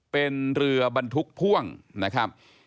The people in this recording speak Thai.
เป็นเรือบรรทุกพ่วงนะครับ